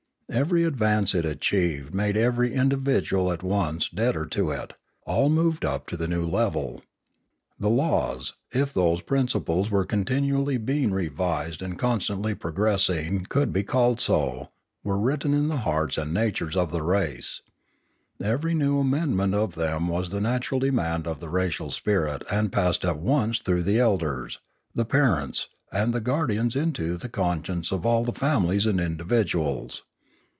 Every ad vance it achieved made every individual at once debtor to it ; all moved up to the new level. The laws, if those principles which were continually being revised and constantly progressing could be called so, were writ ten in the hearts and natures of the race; every new amendment of them was the natural demand of the racial spirit and passed at once through the elders, the parents, and the guardians into the conscience of all the families and individuals.